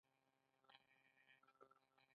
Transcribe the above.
د ظالم کور ورانیږي